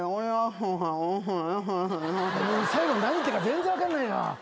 最後何言ってるか全然分かんないな。